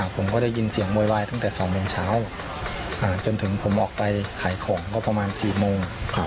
ผมก็ได้ยินเสียงโวยวายตั้งแต่๒โมงเช้าจนถึงผมออกไปขายของก็ประมาณ๔โมง